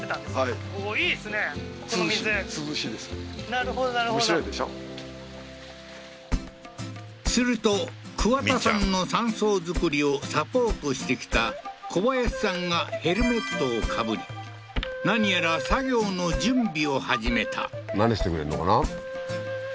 なるほどなるほどすると桑田さんの山荘造りをサポートしてきた小林さんがヘルメットをかぶり何やら作業の準備を始めた何してくれんのかな？